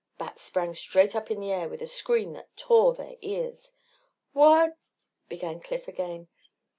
Bat sprang straight up in the air with a scream that tore their ears. "What...?" began Cliff again.